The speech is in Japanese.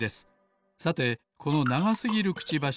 さてこのながすぎるくちばし